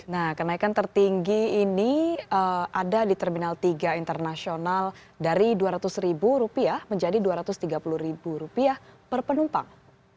nah kenaikan tertinggi ini ada di terminal tiga internasional dari dua ratus ribu rupiah menjadi dua ratus tiga puluh ribu rupiah per penumpang